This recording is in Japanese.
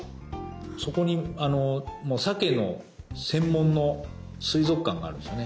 そこにサケの専門の水族館があるんですね。